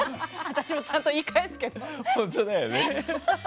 私もちゃんと言い返すけど。